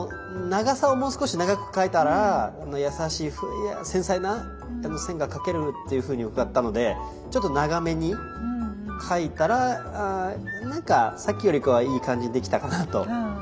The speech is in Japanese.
長さをもう少し長く描いたらやさしい繊細な線が描けるっていうふうに伺ったのでちょっと長めに描いたらなんかさっきよりかはいい感じにできたかなと。